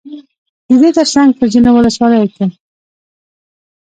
ددې ترڅنگ په ځينو ولسواليو كې